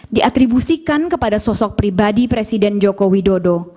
diatribusikan kepada sosok pribadi presiden joko widodo